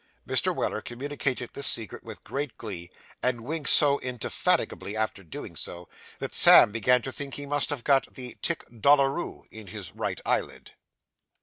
Mr. Weller communicated this secret with great glee, and winked so indefatigably after doing so, that Sam began to think he must have got the Tic Doloureux in his right eyelid.